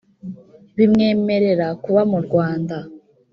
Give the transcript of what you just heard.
bimwemerera kuba mu Rwanda